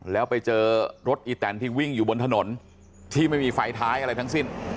แล้วไปเจอรถอีแตนที่วิ่งอยู่บนถนนที่ไม่มีไฟท้ายอะไรทั้งสิ้น